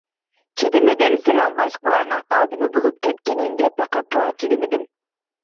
چىدىمىدىم، سېنىڭ باشقىلارنىڭ ئادىمى بولۇپ كەتكىنىڭگە پەقەتلا چىدىمىدىم.